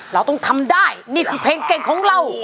เราต้องทำได้นี่คือเพลงเก่งของเรา